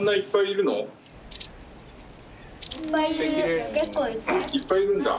いっぱいいるんだ。